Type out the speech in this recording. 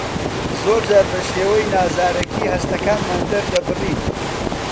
زۆرجار بە شێوەی نازارەکی هەستەکانمان دەردەبڕین.